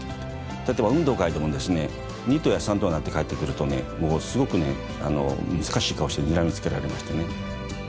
例えば運動会でもですね２等や３等になって帰ってくるとねもうすごくね難しい顔してにらみつけられましたね。